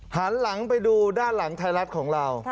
หันหลังไปดูด้านหลังไทยรัฐของเรา